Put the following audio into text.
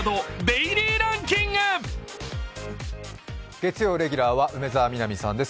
月曜レギュラーは梅澤美波さんです。